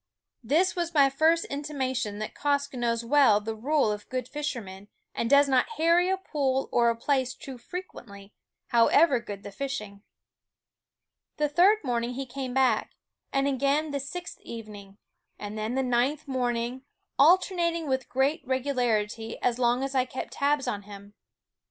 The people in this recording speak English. This was my first intimation that Quoskh knows well the rule of good fisher men, and does not harry a pool or a place too frequently, however good the fishing. The third morning he came back; and again |( the sixth evening; and then the ninth morn , ing, alternating with great regularity as long as I kept tabs on him.